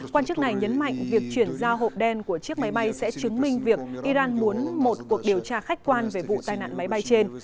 quan chức này nhấn mạnh việc chuyển giao hộp đen của chiếc máy bay sẽ chứng minh việc iran muốn một cuộc điều tra khách quan về vụ tai nạn máy bay trên